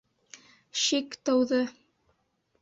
Шик тыуҙы.